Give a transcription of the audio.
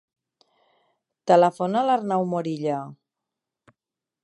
Telefona a l'Arnau Morilla.